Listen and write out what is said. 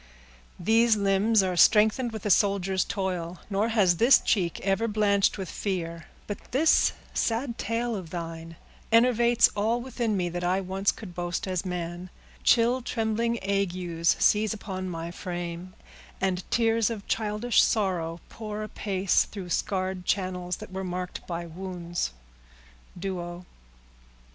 These limbs are strengthened with a soldier's toil, Nor has this cheek been ever blanched with fear— But this sad tale of thine enervates all Within me that I once could boast as man; Chill trembling agues seize upon my frame, And tears of childish sorrow pour, apace, Through scarred channels that were marked by wounds. —_Duo.